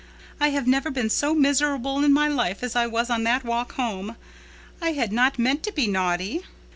I have never been so miserable in my life as I was on that walk home. I had not meant to be naughty.